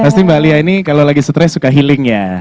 pasti mbak alia ini kalau lagi stres suka healing ya